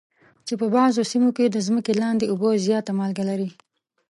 چې په بعضو سیمو کې د ځمکې لاندې اوبه زیاته مالګه لري.